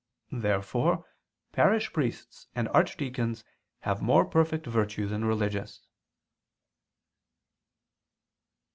Therefore parish priests and archdeacons have more perfect virtue than religious.